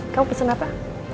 kamu pesen apa